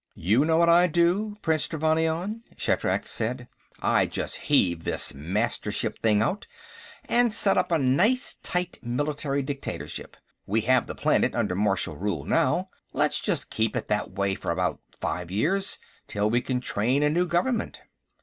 "You know what I'd do, Prince Trevannion?" Shatrak said. "I'd just heave this Mastership thing out, and set up a nice tight military dictatorship. We have the planet under martial rule now; let's just keep it that way for about five years, till we can train a new government."